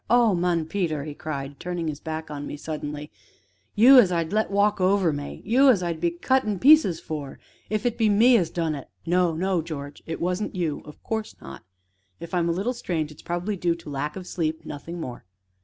Oh, man, Peter!" he cried, turning his back upon me suddenly, "you as I'd let walk over me you as I'd be cut in pieces for if it be me as done it " "No, no, George it wasn't you of course not. If I am a little strange it is probably due to lack of sleep, nothing more."